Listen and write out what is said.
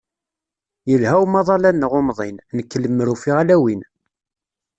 Yelha umaḍal-a-nneɣ umḍin, nekk lemmer ufiɣ ala win.